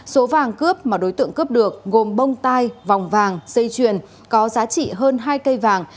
số vàng cướp mà đối tượng cướp được gồm bông tai vòng vàng dây chuyền có giá trị hơn hai cây vàng